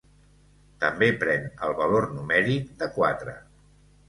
També pren el valor numèric de quatre.